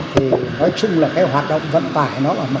thì nói chung là cái hoạt động vận tải nó là một cái hoạt động